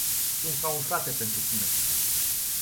Sunt ca un frate pentru tine.